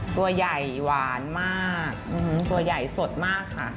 ตัวใหญ่หวานมากตัวใหญ่สดมากค่ะ